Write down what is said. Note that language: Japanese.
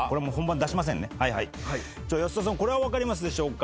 安田さんこれは分かりますでしょうか？